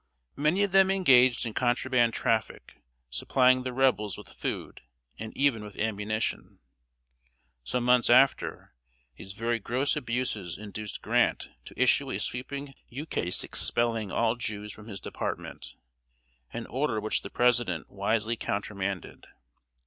] Many of them engaged in contraband traffic, supplying the Rebels with food, and even with ammunition. Some months after, these very gross abuses induced Grant to issue a sweeping ukase expelling all Jews from his department an order which the President wisely countermanded.